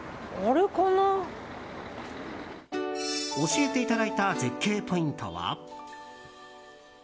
教えていただいた絶景ポイントは。